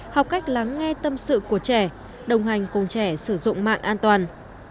học cách lắng nghe tâm sự của trẻ đồng hành cùng trẻ sử dụng mạng an toàn